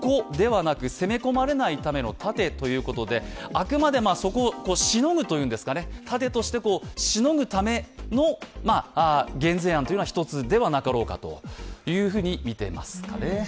あくまで、そこをしのぐというんですか盾としてしのぐための減税案というのは一つではなかろうかというふうに見てますかね。